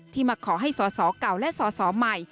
ที่มาขอให้สเก่าและสใหม่